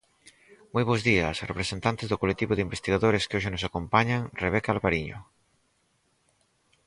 Moi bos días, representantes do colectivo de investigadores que hoxe nos acompañan Rebeca Alvariño.